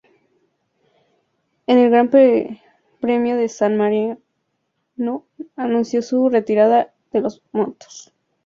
En el Gran Premio de San Marino anunció su retirada de las motos.